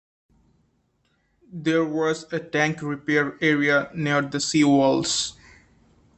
There was a tank repair area near the Sea Walls.